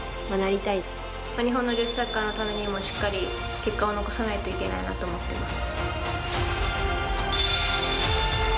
日本の女子サッカーのためにもしっかり、結果を残さないといけないなと思ってます。